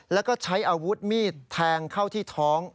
แล้วก็ใช้อาวุธมีดแทงเข้าที่ท้อง